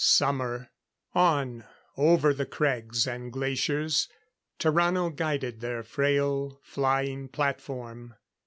Summer! On over the crags and glaciers Tarrano guided their frail flying platform.